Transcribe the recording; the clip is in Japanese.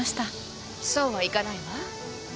そうはいかないわ。